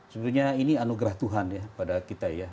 sebenarnya ini anugerah tuhan ya pada kita ya